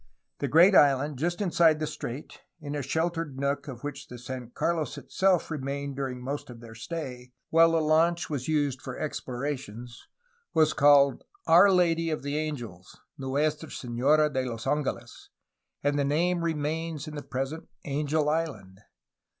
The great island just inside the strait, in a sheltered nook of which the San Carlos itself remained during most of their stay (while the launch was used for explorations), was called ''Our Lady of the Angels'^ (Nuestra Senora de los Angeles) , and the name remains in the present "Angel Island."